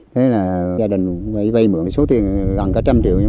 thế là gia đình phải vây mượn số tiền gần cả một trăm linh triệu